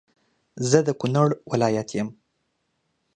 زه د کونړ ولایت یم